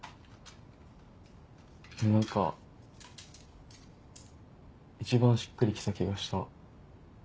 何か一番しっくりきた気がした。